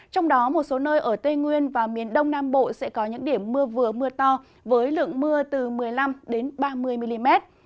trong đó một số nơi ở tây nguyên và miền đông nam bộ sẽ có những điểm mưa vừa mưa to với lượng mưa từ một mươi năm ba mươi mm